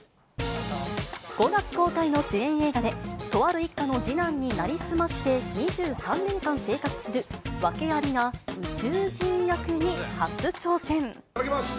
５月公開の主演映画で、とある一家の次男に成り済まして、２３年間生活する、訳ありな宇宙人役に初挑戦。